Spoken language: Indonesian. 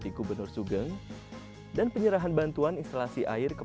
terima kasih sebagai penonton sdp dan alahai go hasta besokostas